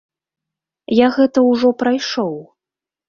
Я гэта ўжо прайшоў.